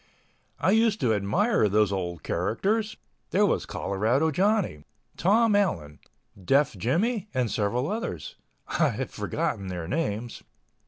I used to admire those old characters. There was Colorado Johnny, Tom Allen, Deaf Jimmie and several others ... I have forgotten their names.